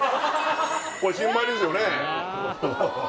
これ新米ですよね